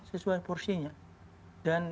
sesuai porsinya dan